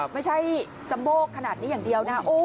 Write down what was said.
ไม่ใช่จัมโบกขนาดนี้อย่างเดียวนะ